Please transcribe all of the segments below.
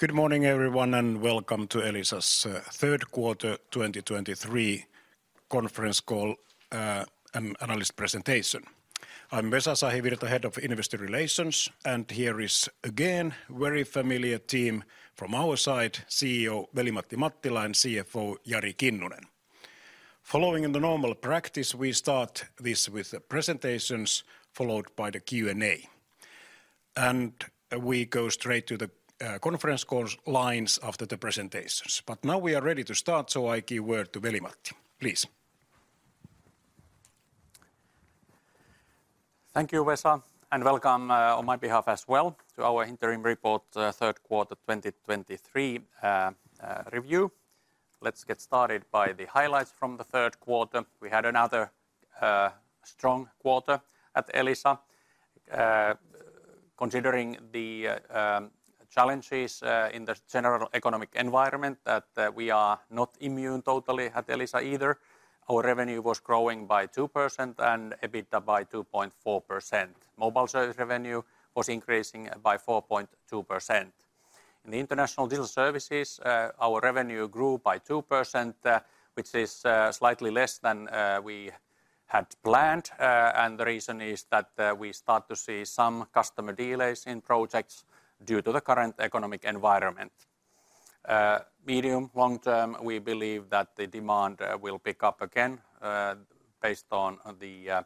Good morning, everyone, and welcome to Elisa's third quarter 2023 conference call and analyst presentation. I'm Vesa Sahivirta, Head of Investor Relations, and here is again, very familiar team from our side: CEO Veli-Matti Mattila, and CFO Jari Kinnunen. Following in the normal practice, we start this with the presentations, followed by the Q&A. We go straight to the conference call's lines after the presentations. But now we are ready to start, so I give word to Veli-Matti, please. Thank you, Vesa, and welcome on my behalf as well to our interim report, third quarter 2023, review. Let's get started by the highlights from the third quarter. We had another strong quarter at Elisa. Considering the challenges in the general economic environment, that we are not immune totally at Elisa either. Our revenue was growing by 2% and EBITDA by 2.4%. Mobile service revenue was increasing by 4.2%. In the international digital services, our revenue grew by 2%, which is slightly less than we had planned. The reason is that we start to see some customer delays in projects due to the current economic environment. Medium, long term, we believe that the demand will pick up again based on the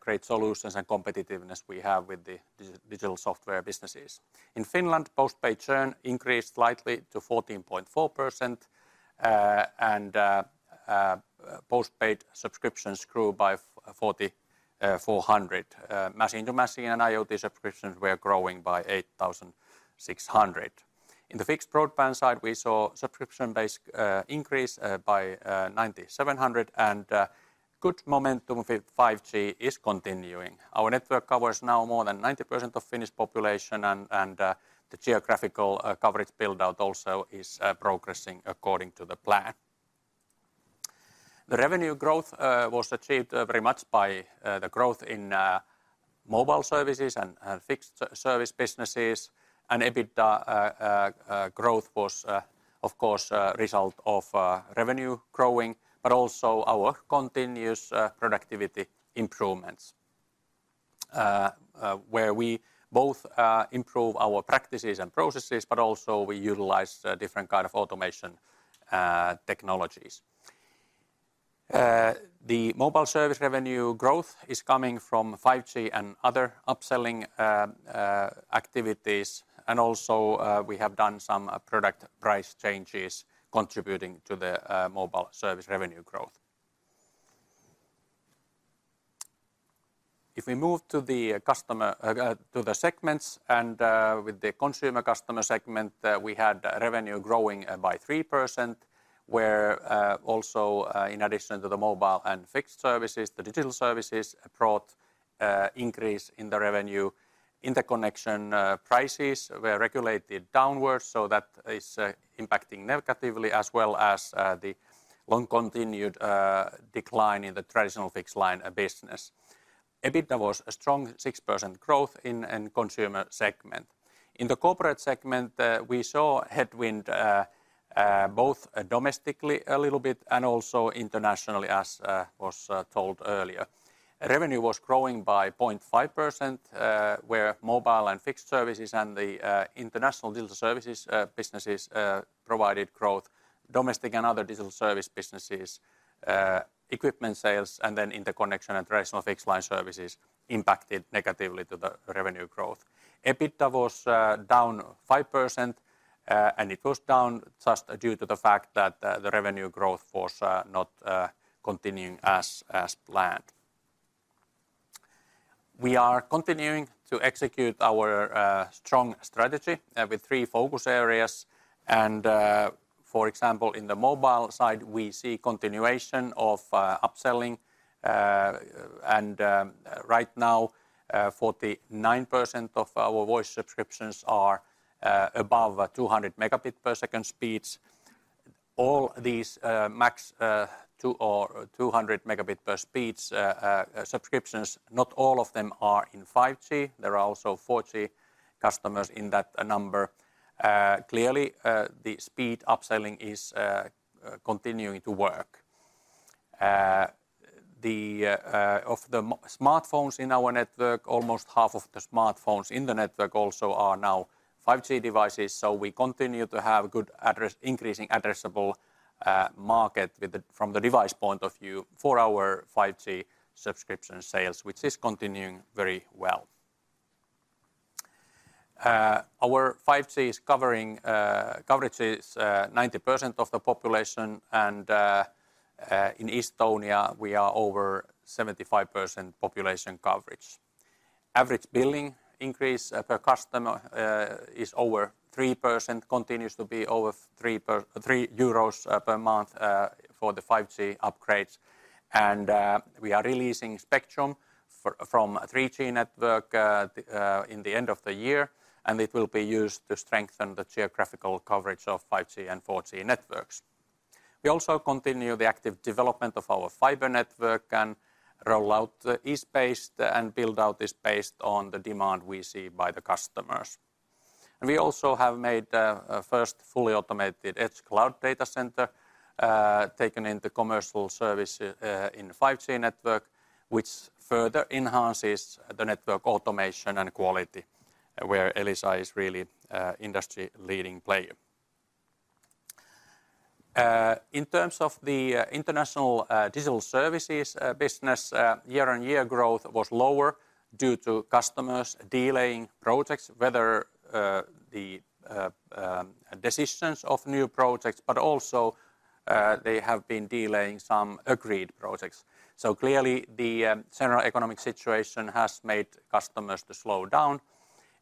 great solutions and competitiveness we have with the digital software businesses. In Finland, post-paid churn increased slightly to 14.4%, and post-paid subscriptions grew by 4,400. Machine-to-Machine and IoT subscriptions were growing by 8,600. In the fixed broadband side, we saw subscription base increase by 9,700, and good momentum with 5G is continuing. Our network covers now more than 90% of Finnish population, and the geographical coverage build-out also is progressing according to the plan. The revenue growth was achieved very much by the growth in mobile services and fixed service businesses. EBITDA growth was, of course, a result of revenue growing, but also our continuous productivity improvements, where we both improve our practices and processes, but also we utilize different kind of automation technologies. The mobile service revenue growth is coming from 5G and other upselling activities. Also, we have done some product price changes contributing to the mobile service revenue growth. If we move to the customer to the segments, and with the consumer customer segment, we had revenue growing by 3%, where also, in addition to the mobile and fixed services, the digital services brought increase in the revenue. Interconnection prices were regulated downwards, so that is impacting negatively, as well as the long-continued decline in the traditional fixed line business. EBITDA was a strong 6% growth in end consumer segment. In the corporate segment, we saw headwind both domestically a little bit, and also internationally, as was told earlier. Revenue was growing by 0.5%, where mobile and fixed services and the international digital services businesses provided growth. Domestic and other digital service businesses, equipment sales, and then interconnection and traditional fixed line services impacted negatively to the revenue growth. EBITDA was down 5%, and it was down just due to the fact that the revenue growth was not continuing as planned. We are continuing to execute our strong strategy with three focus areas. For example, in the mobile side, we see continuation of upselling. Right now, 49% of our voice subscriptions are above 200 Mbps speeds. All these max two or 200 Mbps subscriptions, not all of them are in 5G. There are also 4G customers in that number. Clearly, the speed upselling is continuing to work. Almost half of the smartphones in our network are now 5G devices, so we continue to have good increasing addressable market from the device point of view for our 5G subscription sales, which is continuing very well. Our 5G coverage is 90% of the population, and in Estonia, we are over 75% population coverage. Average billing increase per customer is over 3%, continues to be over 3 per month for the 5G upgrades. We are releasing spectrum from 3G network in the end of the year, and it will be used to strengthen the geographical coverage of 5G and 4G networks. We also continue the active development of our fiber network and roll out is based and build out is based on the demand we see by the customers. We also have made a first fully automated edge cloud data center taken into commercial service in the 5G network, which further enhances the network automation and quality, where Elisa is really a industry-leading player. In terms of the international digital services business, year-on-year growth was lower due to customers delaying projects, whether the decisions of new projects, but also they have been delaying some agreed projects. So clearly, the general economic situation has made customers to slow down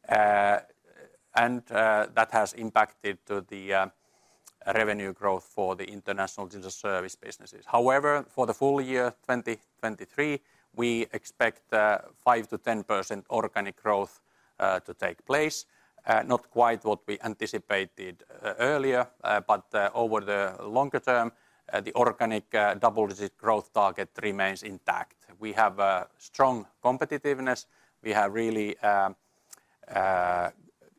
and that has impacted to the revenue growth for the international digital service businesses. However, for the full year 2023, we expect 5%-10% organic growth to take place. Not quite what we anticipated earlier, but over the longer term, the organic double-digit growth target remains intact. We have a strong competitiveness. We have really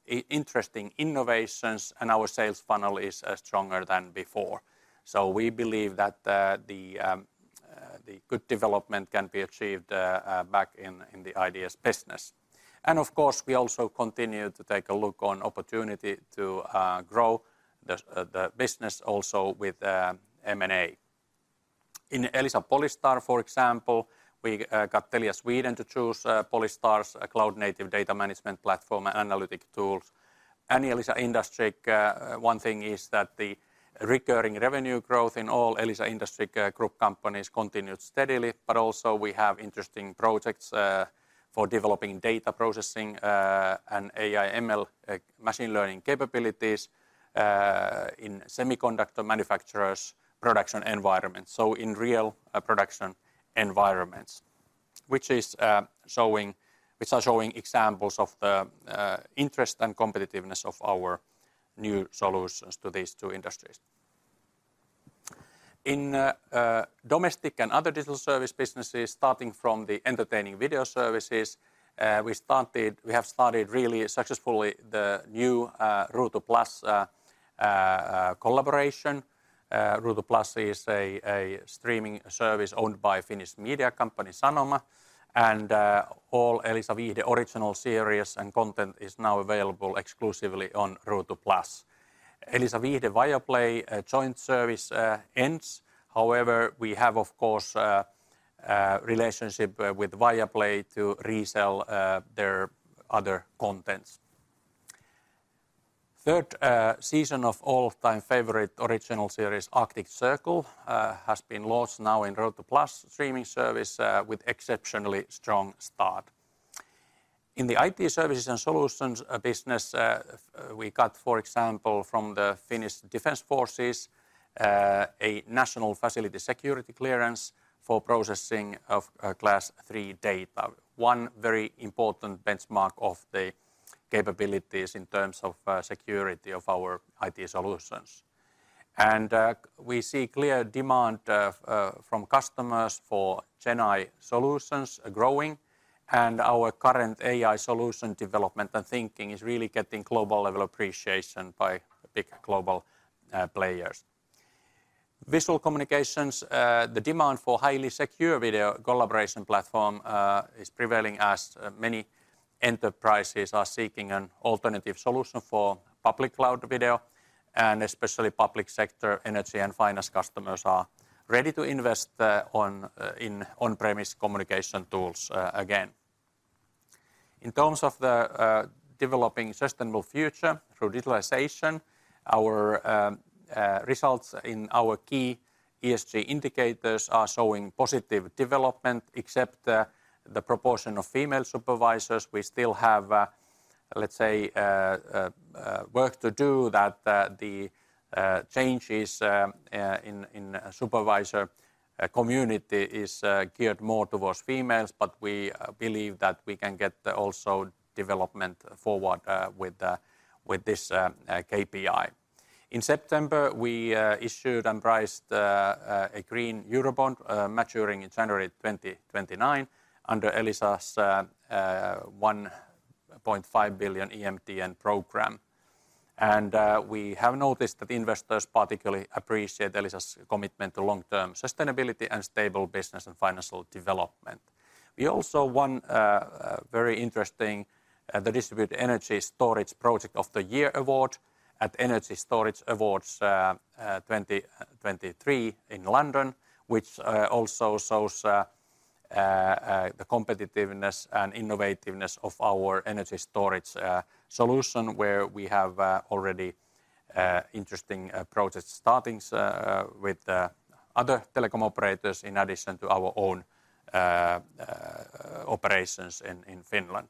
interesting innovations, and our sales funnel is stronger than before. So we believe that the good development can be achieved back in the IDS business. And of course, we also continue to take a look on opportunity to grow the business also with M&A. In Elisa Polystar, for example, we got Telia Sweden to choose Polystar's cloud-native data management platform and analytic tools. Elisa IndustrIQ, one thing is that the recurring revenue growth in all Elisa IndustrIQ group companies continued steadily, but also we have interesting projects for developing data processing and AI/ML machine learning capabilities in semiconductor manufacturers' production environment. In real production environments, which are showing examples of the interest and competitiveness of our new solutions to these two industries. In domestic and other digital service businesses, starting from the entertaining video services, we have started really successfully the new Ruutu+ collaboration. Ruutu+ is a streaming service owned by Finnish media company Sanoma, and all Elisa Viihde original series and content is now available exclusively on Ruutu+. Elisa Viihde Viaplay joint service ends. However, we have, of course, relationship with Viaplay to resell their other contents. Third season of all-time favorite original series, Arctic Circle, has been launched now in Ruutu+ streaming service with exceptionally strong start. In the IT services and solutions business, we got, for example, from the Finnish Defense Forces, a national facility security clearance for processing of Class III data. One very important benchmark of the capabilities in terms of security of our IT solutions. And we see clear demand from customers for GenAI solutions growing, and our current AI solution development and thinking is really getting global-level appreciation by big global players. Visual communications, the demand for highly secure video collaboration platform is prevailing as many enterprises are seeking an alternative solution for public cloud video, and especially public sector, energy, and finance customers are ready to invest on, in on-premises communication tools again. In terms of the developing sustainable future through digitalization, our results in our key ESG indicators are showing positive development, except the proportion of female supervisors. We still have, let's say, work to do that the changes in supervisor community is geared more towards females, but we believe that we can get the also development forward with with this KPI. In September, we issued and priced a Green Eurobond maturing in January 2029 under Elisa's 1.5 billion EMTN programme. And we have noticed that investors particularly appreciate Elisa's commitment to long-term sustainability and stable business and financial development. We also won very interesting the Distributed Energy Storage Project of the Year award at Energy Storage Awards 2023 in London, which also shows the competitiveness and innovativeness of our energy storage solution, where we have already interesting projects starting with other telecom operators in addition to our own operations in Finland.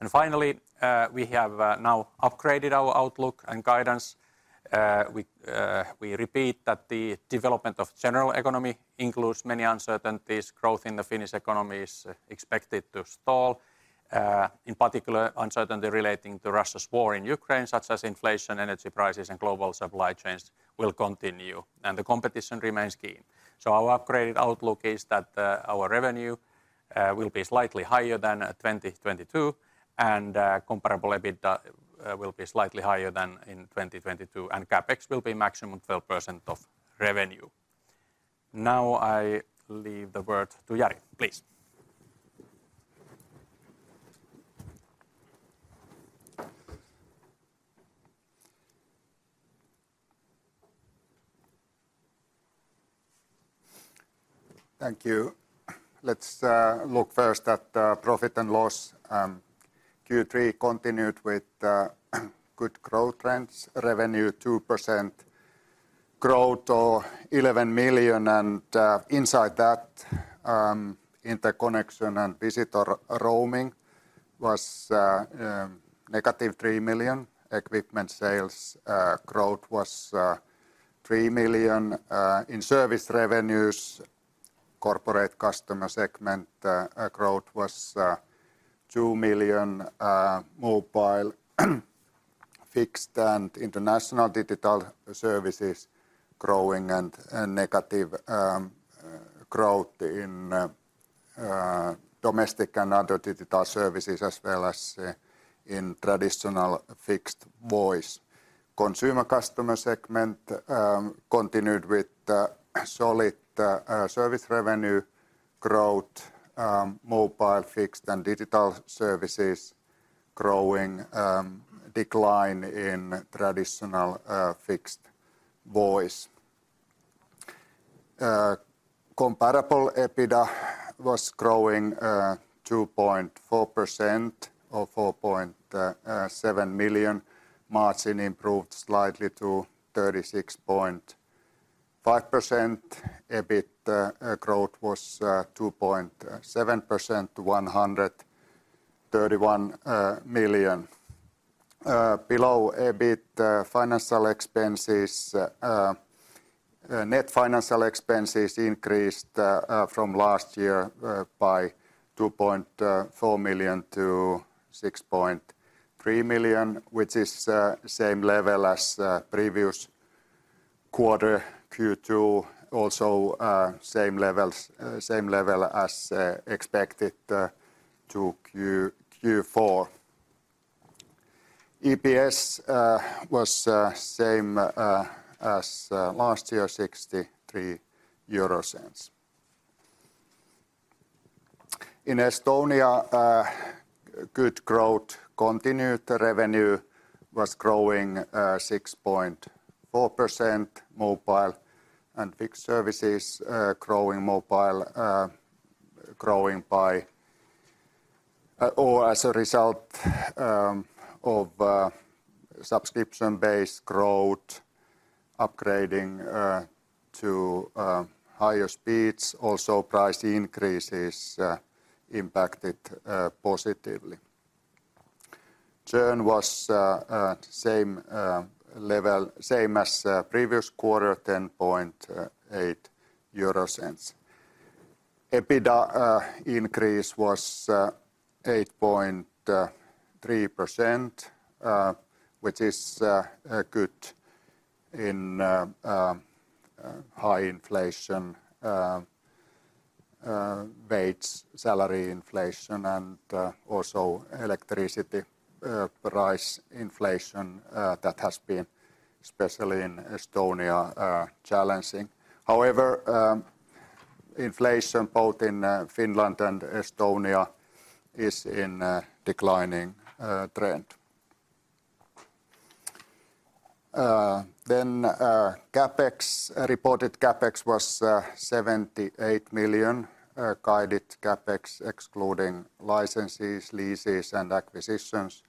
And finally, we have now upgraded our outlook and guidance. We repeat that the development of general economy includes many uncertainties. Growth in the Finnish economy is expected to stall. In particular, uncertainty relating to Russia's war in Ukraine, such as inflation, energy prices, and global supply chains will continue, and the competition remains keen. So our upgraded outlook is that, our revenue, will be slightly higher than, 2022, and, comparable EBITDA, will be slightly higher than in 2022, and CapEx will be maximum 12% of revenue. Now I leave the word to Jari, please. Thank you. Let's look first at the profit and loss. Q3 continued with good growth trends. Revenue, 2% growth or 11 million, and inside that, interconnection and visitor roaming was -3 million. Equipment sales growth was 3 million. In service revenues, corporate customer segment, growth was EUR 2 million. Mobile, fixed, and international digital services growing, and negative growth in domestic and other digital services, as well as in traditional fixed voice. Consumer customer segment continued with solid service revenue growth, mobile, fixed, and digital services growing, decline in traditional fixed voice. Comparable EBITDA was growing 2.4% or 4.7 million. Margin improved slightly to 36.5%. EBIT growth was 2.7% to EUR 131 million. Below EBIT, net financial expenses increased from last year by 2.4 million to 6.3 million, which is same level as previous quarter, Q2. Also, same levels, same level as expected to Q4. EPS was same as last year, EUR 0.63. In Estonia, good growth continued. Revenue was growing 6.4%. Mobile and fixed services growing. Mobile growing by or as a result of subscription-based growth, upgrading to higher speeds. Also, price increases impacted positively. Churn was the same level, same as previous quarter, 10.8%. EBITDA increase was 8.3%, which is good in high inflation, wage salary inflation, and also electricity price inflation, that has been, especially in Estonia, challenging. However, inflation both in Finland and Estonia is in a declining trend. Then, CapEx, reported CapEx was 78 million. Guided CapEx, excluding licenses, leases, and acquisitions,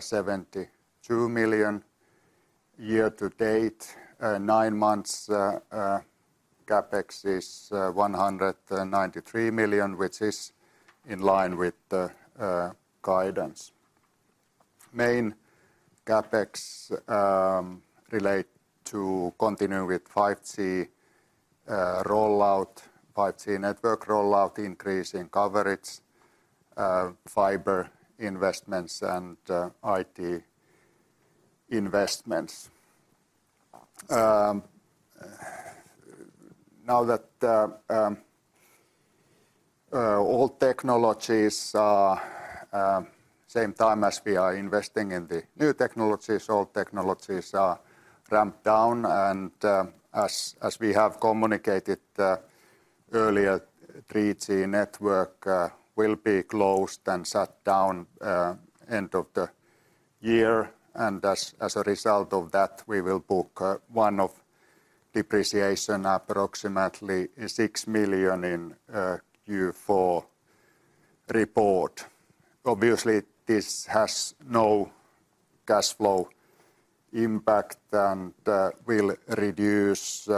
72 million. Year to date, 9 months, CapEx is 193 million, which is in line with the guidance. Main CapEx relate to continuing with 5G rollout, 5G network rollout, increase in coverage, fiber investments, and IT investments. Now that old technologies are... same time as we are investing in the new technologies, old technologies are ramped down, and as we have communicated earlier, 3G network will be closed and shut down end of the year. And as a result of that, we will book one-off depreciation, approximately 6 million in Q4 report. Obviously, this has no cash flow impact and will reduce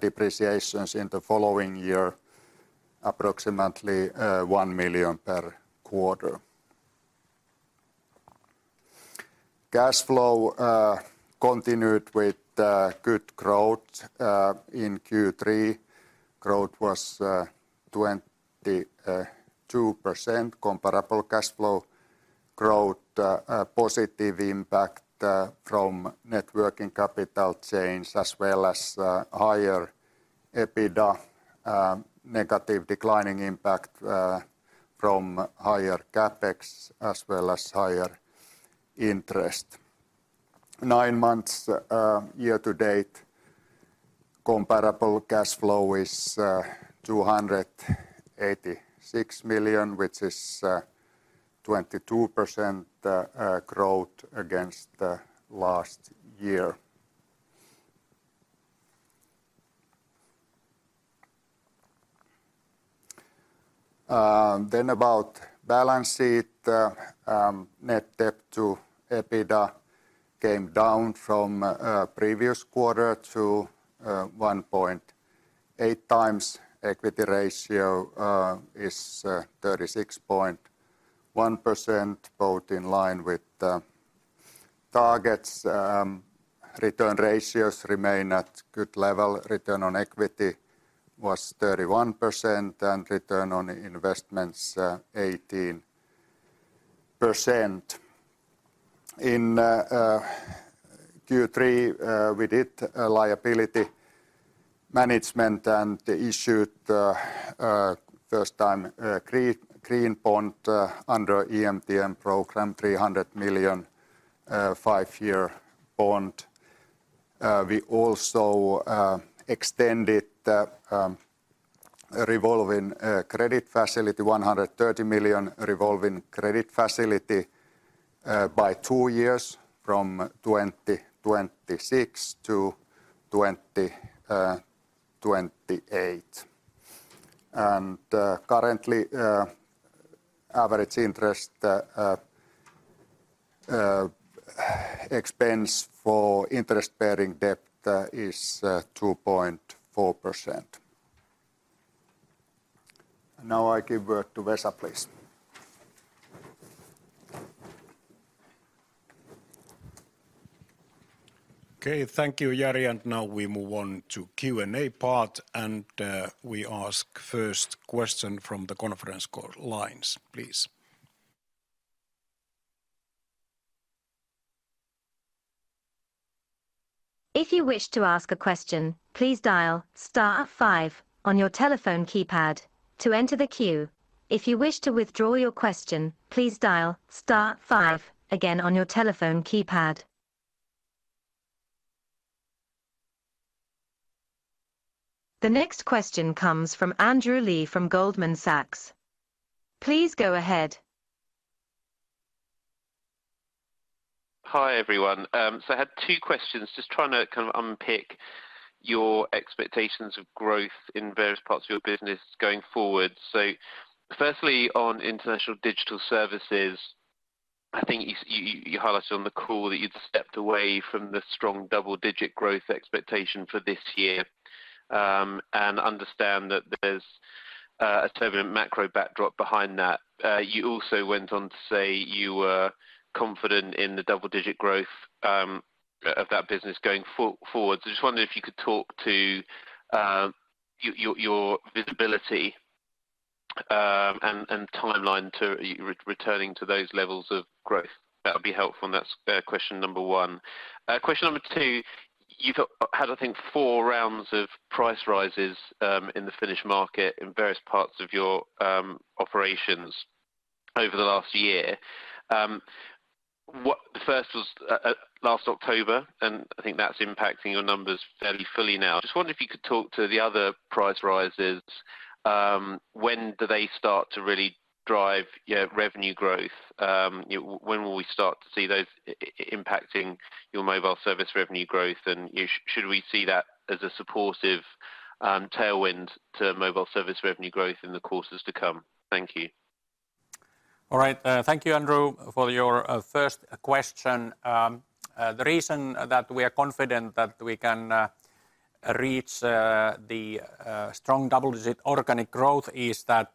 depreciations in the following year, approximately EUR 1 million per quarter. Cash flow continued with good growth in Q3. Growth was 22% comparable cash flow growth, a positive impact from working capital changes as well as higher EBITDA, negative declining impact from higher CapEx as well as higher interest. Nine months year to date comparable cash flow is 286 million, which is 22% growth against the last year. Then about balance sheet, net debt to EBITDA came down from previous quarter to 1.8x. Equity ratio is 36.1%, both in line with the targets. Return ratios remain at good level. Return on equity was 31%, and return on investments 18%. In Q3, we did a liability management and issued a first time green green bond under EMTN programme, EUR 300 million five-year bond. We also extended the revolving credit facility, 130 million revolving credit facility, by two years from 2026 to 2028. Currently, average interest expense for interest-bearing debt is 2.4%. Now I give word to Vesa, please. Okay, thank you, Jari. Now we move on to Q&A part, and we ask first question from the conference call lines, please. If you wish to ask a question, please dial star five on your telephone keypad to enter the queue. If you wish to withdraw your question, please dial star five again on your telephone keypad. The next question comes from Andrew Lee from Goldman Sachs. Please go ahead. Hi, everyone. I had two questions, just trying to kind of unpick your expectations of growth in various parts of your business going forward. So firstly, on international digital services, I think you highlighted on the call that you'd stepped away from the strong double-digit growth expectation for this year, and understand that there's a turbulent macro backdrop behind that. You also went on to say you were confident in the double-digit growth of that business going forward. So I just wondered if you could talk to your visibility and timeline to returning to those levels of growth. That would be helpful, and that's question number one. Question number two, you've had, I think, four rounds of price rises in the Finnish market in various parts of your operations over the last year. What—the first was last October, and I think that's impacting your numbers fairly fully now. Just wondered if you could talk to the other price rises, when do they start to really drive your revenue growth? When will we start to see those impacting your mobile service revenue growth, and should we see that as a supportive tailwind to mobile service revenue growth in the quarters to come? Thank you. All right. Thank you, Andrew, for your first question. The reason that we are confident that we can reach the strong double-digit organic growth is that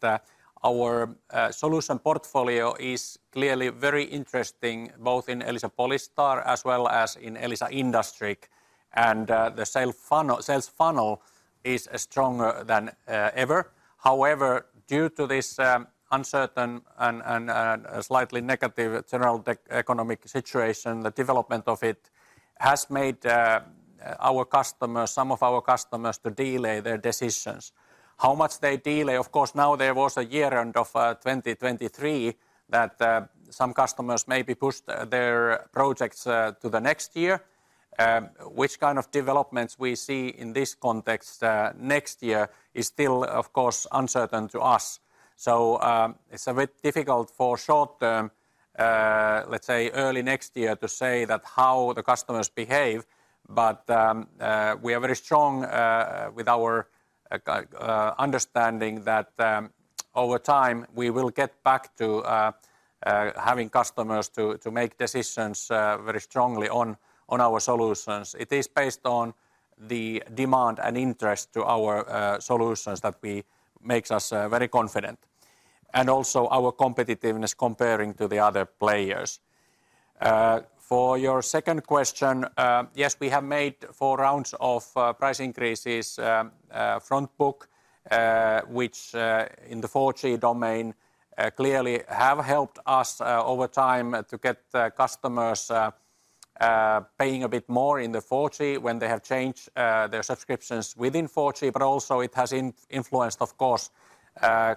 our solution portfolio is clearly very interesting, both in Elisa Polystar as well as in Elisa IndustrIQ. And the sales funnel is stronger than ever. However, due to this uncertain and slightly negative general tech economic situation, the development of it has made our customers, some of our customers to delay their decisions. How much they delay? Of course, now there was a year end of 2023, that some customers may be pushed their projects to the next year. Which kind of developments we see in this context next year is still, of course, uncertain to us. It's a bit difficult for short term, let's say, early next year, to say that how the customers behave but, we are very strong, with our understanding that, over time, we will get back to, having customers to make decisions, very strongly on our solutions. It is based on the demand and interest to our solutions that makes us very confident, and also our competitiveness comparing to the other players. For your second question, yes, we have made four rounds of price increases, front book, which in the 4G domain clearly have helped us over time to get the customers paying a bit more in the 4G when they have changed their subscriptions within 4G. But also it has influenced, of course,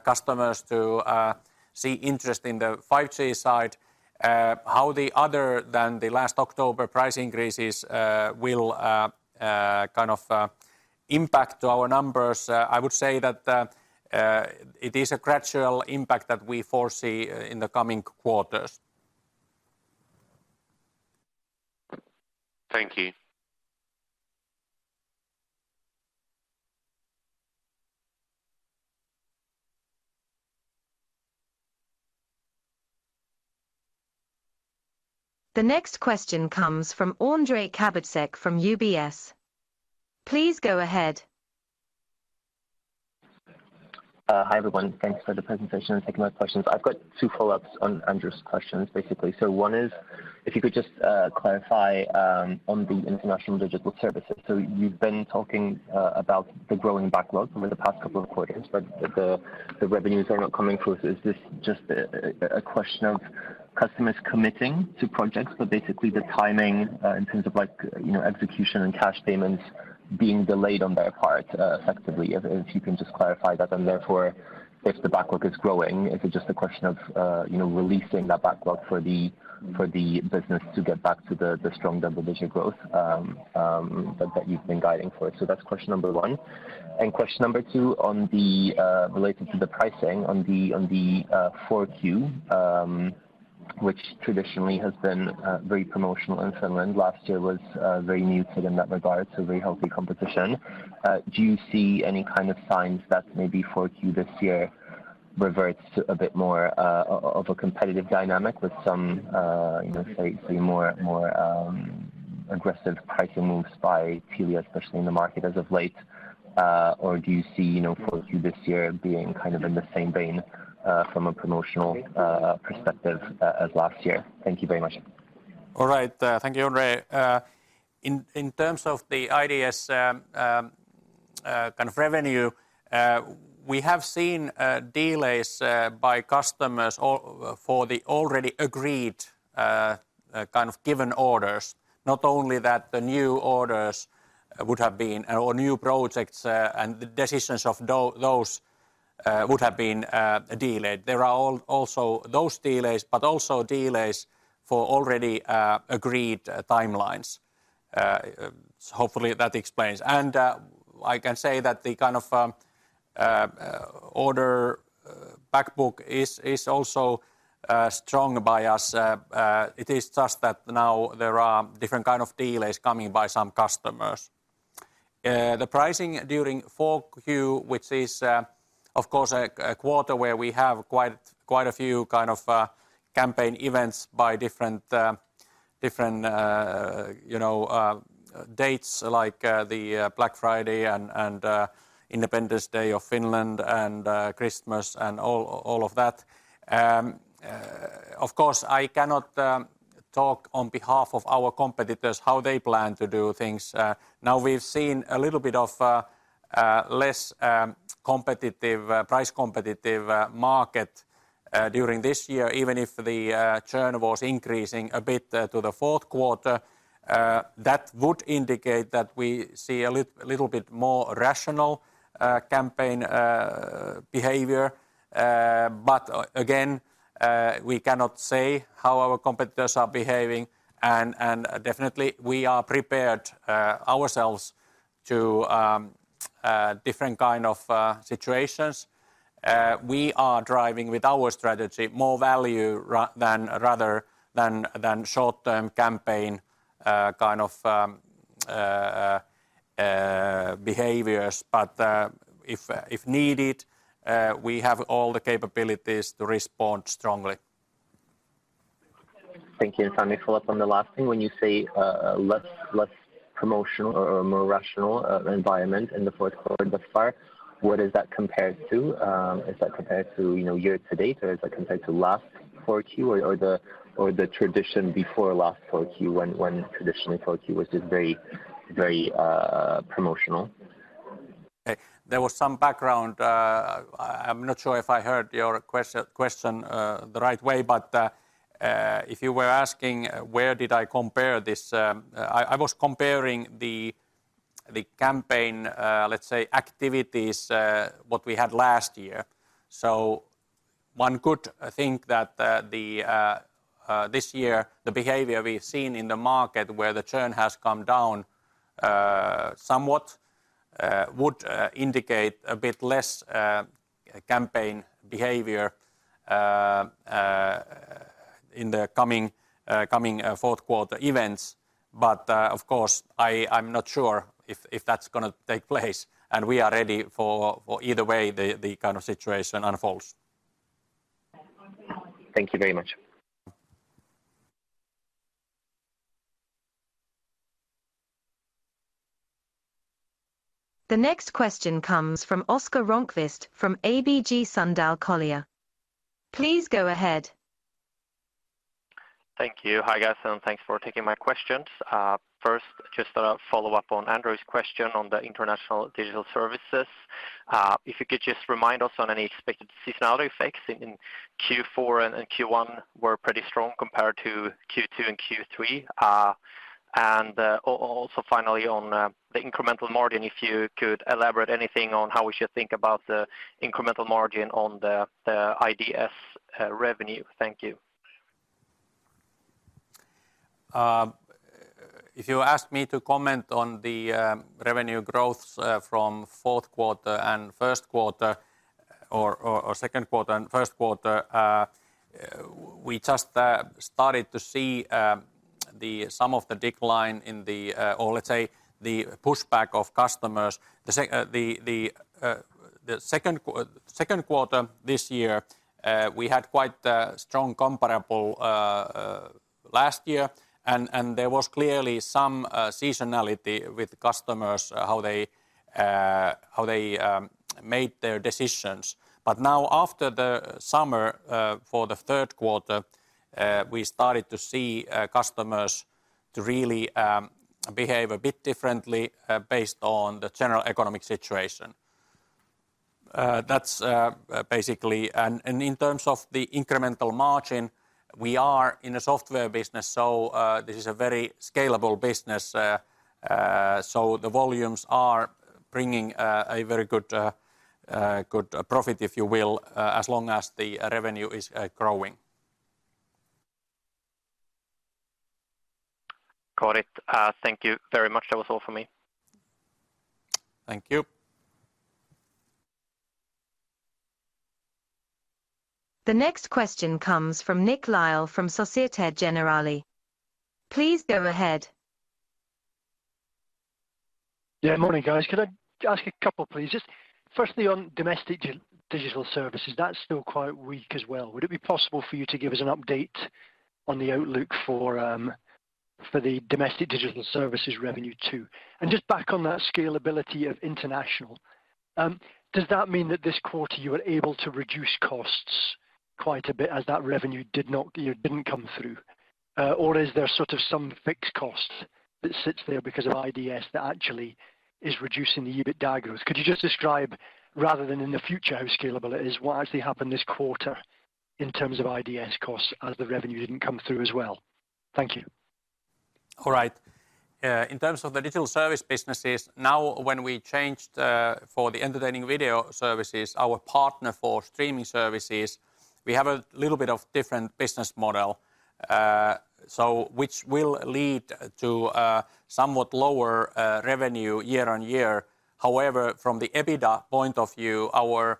customers to see interest in the 5G side. How, other than the last October price increases, will kind of impact our numbers? I would say that it is a gradual impact that we foresee in the coming quarters. Thank you. The next question comes from Ondrej Cabejsek from UBS. Please go ahead. Hi, everyone. Thanks for the presentation and taking my questions. I've got two follow-ups on Andrew's questions, basically. So one is, if you could just clarify on the international digital services. So you've been talking about the growing backlog over the past couple of quarters, but the revenues are not coming through. Is this just a question of customers committing to projects, but basically the timing in terms of like, you know, execution and cash payments being delayed on their part, effectively? If you can just clarify that, and therefore, if the backlog is growing, is it just a question of you know, releasing that backlog for the business to get back to the strong double-digit growth that you've been guiding for? So that's question number one. Question number two on the related to the pricing on the Q4, which traditionally has been very promotional in Finland. Last year was very muted in that regard, so very healthy competition. Do you see any kind of signs that maybe Q4 this year reverts to a bit more of a competitive dynamic with some you know say more aggressive pricing moves by Telia, especially in the market as of late? Or do you see you know Q4 this year being kind of in the same vein from a promotional perspective as last year? Thank you very much. All right. Thank you, Ondrej. In terms of the IDS, kind of revenue, we have seen delays by customers already for the already agreed, kind of given orders. Not only that, the new orders would have been, or new projects, and the decisions of those would have been delayed. There are also those delays, but also delays for already agreed timelines. Hopefully, that explains. I can say that the kind of order backlog is also strong by us. It is just that now there are different kind of delays coming by some customers. The pricing during 4Q, which is, of course, a quarter where we have quite a few kind of campaign events by different dates, like the Black Friday and Independence Day of Finland and Christmas and all of that. Of course, I cannot talk on behalf of our competitors, how they plan to do things. Now we've seen a little bit of less competitive price competitive market during this year, even if the churn was increasing a bit to the fourth quarter. That would indicate that we see a little bit more rational campaign behavior. But again, we cannot say how our competitors are behaving, and definitely we are prepared ourselves to different kind of situations. We are driving with our strategy, more value rather than short-term campaign kind of behaviors. But if needed, we have all the capabilities to respond strongly. Thank you, Veli. Follow up on the last thing. When you say less promotional or more rational environment in the fourth quarter thus far, what is that compared to? Is that compared to, you know, year to date, or is that compared to last 4Q, or the tradition before last 4Q, when traditionally 4Q was just very, very promotional? There was some background. I'm not sure if I heard your question the right way, but if you were asking where did I compare this? I was comparing the campaign, let's say, activities what we had last year. So one could think that... This year, the behavior we've seen in the market where the churn has come down somewhat... would indicate a bit less campaign behavior in the coming fourth quarter events. But of course, I'm not sure if that's gonna take place, and we are ready for either way the kind of situation unfolds. Thank you very much. The next question comes from Oscar Rönnkvist from ABG Sundal Collier. Please go ahead. Thank you. Hi, guys, and thanks for taking my questions. First, just a follow-up on Andrew's question on the international digital services. If you could just remind us on any expected seasonality effects in Q4, and Q1 were pretty strong compared to Q2 and Q3. And also finally, on the incremental margin, if you could elaborate anything on how we should think about the incremental margin on the IDS revenue. Thank you. If you ask me to comment on the revenue growth from fourth quarter and first quarter, or second quarter and first quarter, we just started to see some of the decline in the, or let's say, the pushback of customers. The second quarter this year, we had quite strong comparable last year, and there was clearly some seasonality with customers, how they made their decisions. But now, after the summer, for the third quarter, we started to see customers to really behave a bit differently based on the general economic situation. That's basically... In terms of the incremental margin, we are in a software business, so this is a very scalable business. So the volumes are bringing a very good profit, if you will, as long as the revenue is growing. Got it. Thank you very much. That was all for me. Thank you. The next question comes from Nick Lyall from Societe Generale. Please go ahead. Yeah. Morning, guys. Could I just ask a couple, please? Just firstly, on domestic digital services, that's still quite weak as well. Would it be possible for you to give us an update on the outlook for, for the domestic digital services revenue, too? And just back on that scalability of international, does that mean that this quarter you were able to reduce costs quite a bit as that revenue did not, it didn't come through? Or is there sort of some fixed cost that sits there because of IDS that actually is reducing the EBITDA growth? Could you just describe, rather than in the future, how scalable it is, what actually happened this quarter in terms of IDS costs, as the revenue didn't come through as well? Thank you. All right. In terms of the digital service businesses, now, when we changed, for the entertaining video services, our partner for streaming services, we have a little bit of different business model, so which will lead to, somewhat lower, revenue year on year. However, from the EBITDA point of view, our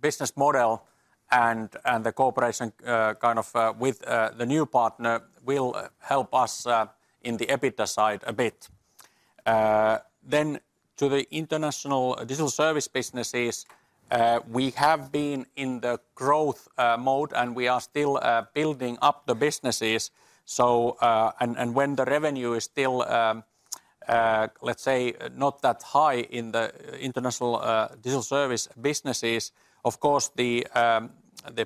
business model and the cooperation, kind of, with the new partner will help us, in the EBITDA side a bit. Then to the international digital service businesses, we have been in the growth mode, and we are still building up the businesses. So, and when the revenue is still, let's say, not that high in the international digital service businesses, of course, the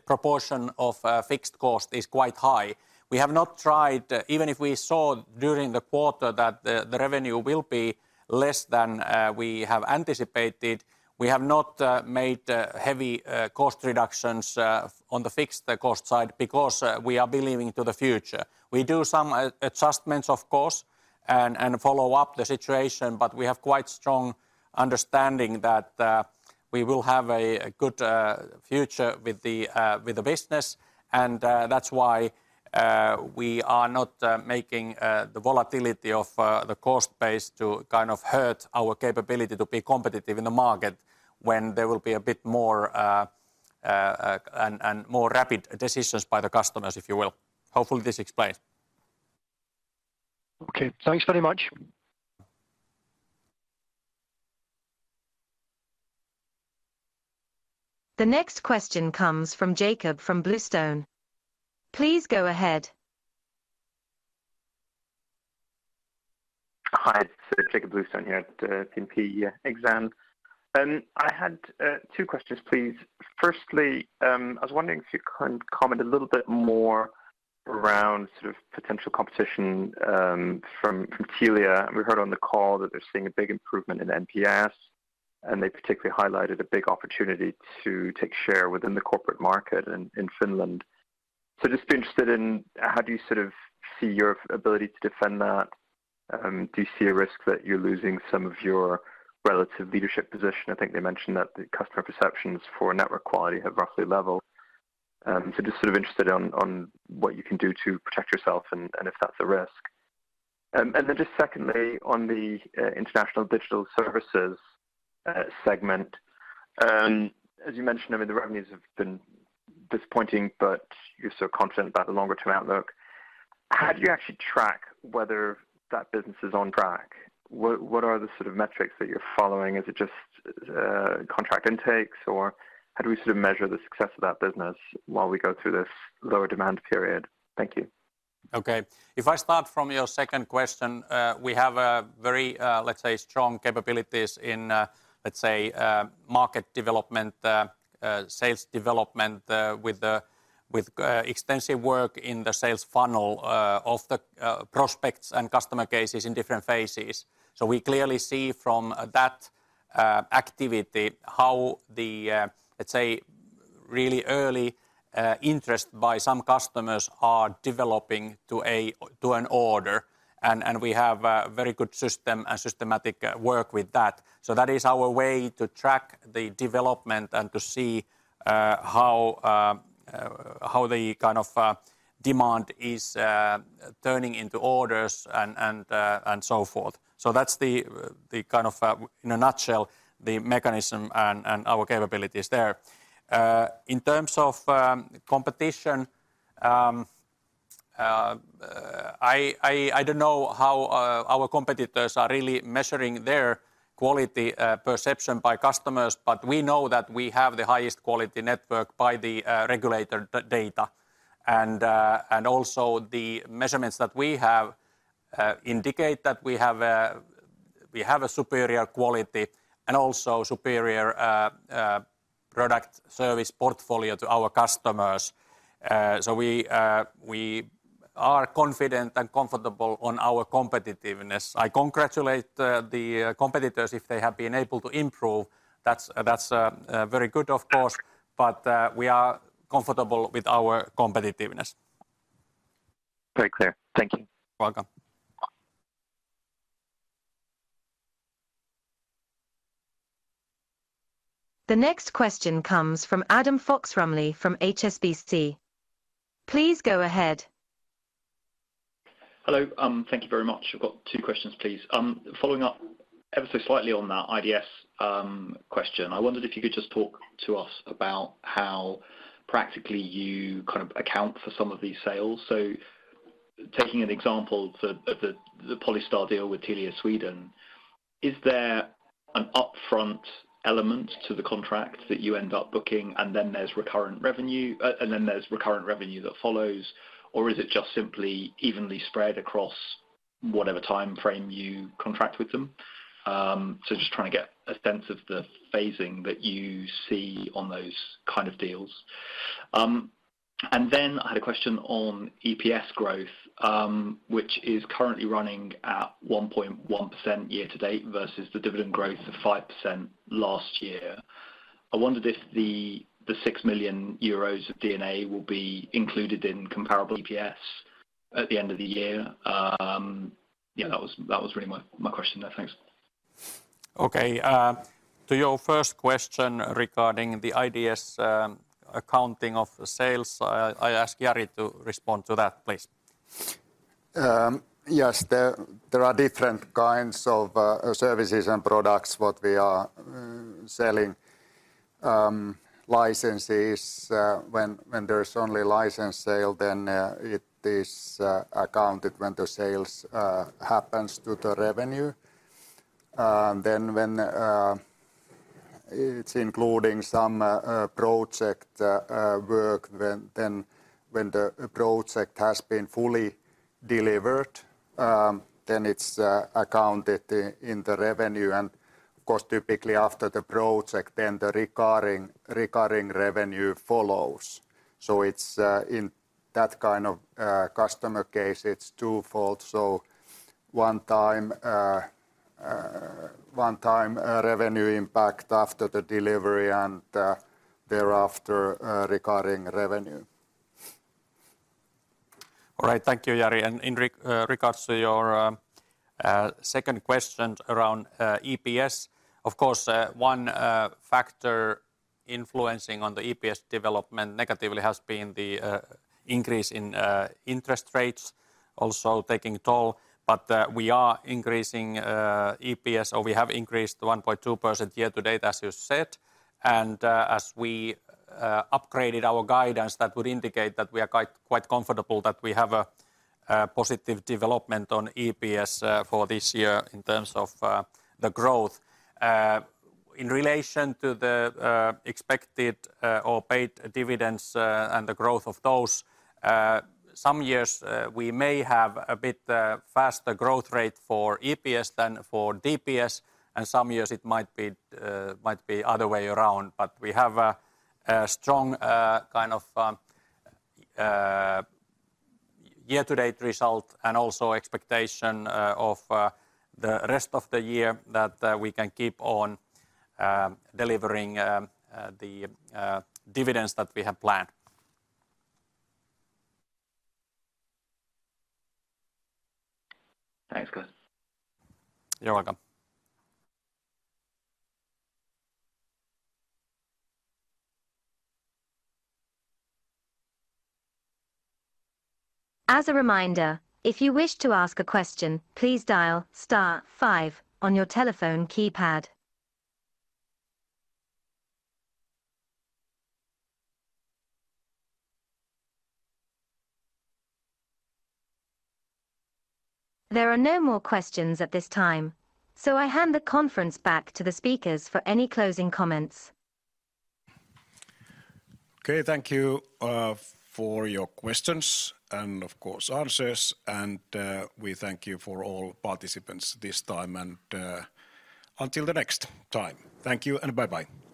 proportion of fixed cost is quite high. We have not tried, even if we saw during the quarter that the revenue will be less than we have anticipated. We have not made heavy cost reductions on the fixed cost side because we are believing to the future. We do some adjustments, of course, and follow up the situation, but we have quite strong understanding that we will have a good future with the business. And that's why we are not making the volatility of the cost base to kind of hurt our capability to be competitive in the market when there will be a bit more and more rapid decisions by the customers, if you will. Hopefully, this explains. Okay, thanks very much. The next question comes from Jakob Bluestone. Please go ahead. Hi, it's Jakob Bluestone here at BPN Exane. I had two questions, please. Firstly, I was wondering if you can comment a little bit more around sort of potential competition from Telia. We heard on the call that they're seeing a big improvement in EPS, and they particularly highlighted a big opportunity to take share within the corporate market in Finland. So just be interested in how do you sort of see your ability to defend that? Do you see a risk that you're losing some of your relative leadership position? I think they mentioned that the customer perceptions for network quality have roughly leveled. So just sort of interested on what you can do to protect yourself and if that's a risk? And then just secondly, on the International Digital Services segment, as you mentioned, I mean, the revenues have been disappointing, but you're so confident about the longer-term outlook. How do you actually track whether that business is on track? What are the sort of metrics that you're following? Is it just contract intakes, or how do we sort of measure the success of that business while we go through this lower demand period? Thank you. Okay. If I start from your second question, we have a very, let's say, strong capabilities in, let's say, market development, sales development, with the, with, extensive work in the sales funnel, of the, prospects and customer cases in different phases. So we clearly see from that, activity how the, let's say, really early, interest by some customers are developing to a, to an order, and, and we have a very good system and systematic, work with that. So that is our way to track the development and to see, how, how the kind of, demand is, turning into orders and, and, and so forth. So that's the, the kind of, in a nutshell, the mechanism and, and our capabilities there. In terms of competition, I don't know how our competitors are really measuring their quality perception by customers, but we know that we have the highest quality network by the regulator data. And also the measurements that we have indicate that we have a superior quality and also superior product service portfolio to our customers. So we are confident and comfortable on our competitiveness. I congratulate the competitors if they have been able to improve. That's very good, of course, but we are comfortable with our competitiveness. Very clear. Thank you. Welcome. The next question comes from Adam Fox-Rumley from HSBC. Please go ahead. Hello. Thank you very much. I've got two questions, please. Following up ever so slightly on that IDS question, I wondered if you could just talk to us about how practically you kind of account for some of these sales. So taking an example of the Polystar deal with Telia Sweden, is there an upfront element to the contract that you end up booking, and then there's recurrent revenue that follows? Or is it just simply evenly spread across whatever timeframe you contract with them? So just trying to get a sense of the phasing that you see on those kind of deals. And then I had a question on EPS growth, which is currently running at 1.1% year to date versus the dividend growth of 5% last year. I wondered if the 6 million euros of D&A will be included in comparable EPS at the end of the year. Yeah, that was really my question there. Thanks. Okay, to your first question regarding the IDS, accounting of sales, I ask Jari to respond to that, please. Yes, there are different kinds of services and products what we are selling. Licenses, when there is only license sale, then it is accounted when the sales happens to the revenue. Then when it's including some project work, then when the project has been fully delivered, then it's accounted in the revenue. And of course, typically after the project, then the recurring revenue follows. So it's in that kind of customer case, it's twofold, so one time one-time revenue impact after the delivery and thereafter regarding revenue. All right. Thank you, Jari. And in regards to your second question around EPS, of course, one factor influencing on the EPS development negatively has been the increase in interest rates also taking toll. But we are increasing EPS, or we have increased 1.2% year to date, as you said. And as we upgraded our guidance, that would indicate that we are quite comfortable that we have a positive development on EPS for this year in terms of the growth. In relation to the expected or paid dividends and the growth of those, some years we may have a bit faster growth rate for EPS than for DPS, and some years it might be other way around. But we have a strong kind of year-to-date result and also expectation of the rest of the year that we can keep on delivering the dividends that we have planned. Thanks, guys. You're welcome. As a reminder, if you wish to ask a question, please dial star five on your telephone keypad. There are no more questions at this time, so I hand the conference back to the speakers for any closing comments. Okay, thank you for your questions and of course, answers, and we thank you for all participants this time, and until the next time. Thank you, and bye-bye.